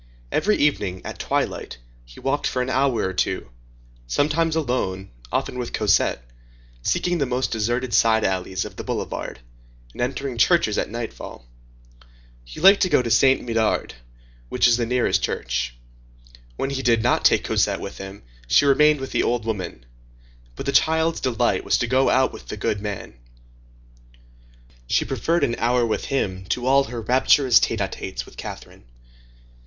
Every evening, at twilight, he walked for an hour or two, sometimes alone, often with Cosette, seeking the most deserted side alleys of the boulevard, and entering churches at nightfall. He liked to go to Saint Médard, which is the nearest church. When he did not take Cosette with him, she remained with the old woman; but the child's delight was to go out with the good man. She preferred an hour with him to all her rapturous tête à têtes with Catherine.